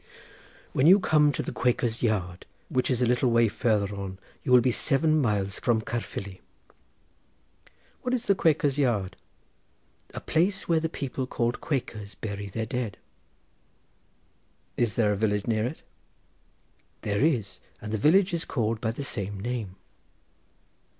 "When you come to the Quakers' Yard, which is a little way further on, you will be seven miles from Caerfili." "What is the Quakers' Yard?" "A place where the people called Quakers bury their dead." "Is there a village near it?" "There is, and the village is called by the same name."